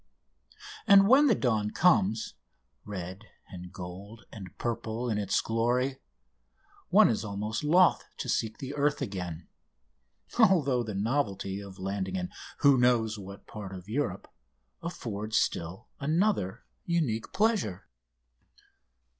And when the dawn comes, red and gold and purple in its glory, one is almost loth to seek the earth again, although the novelty of landing in who knows what part of Europe affords still another unique pleasure.